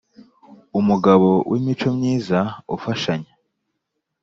Umugabo w’ imico myiza ufashanya.